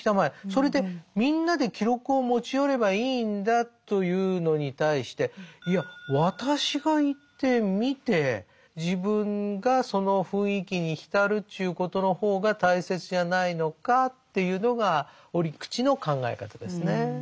それでみんなで記録を持ち寄ればいいんだというのに対していや私が行って見て自分がその雰囲気に浸るっちゅうことの方が大切じゃないのかっていうのが折口の考え方ですね。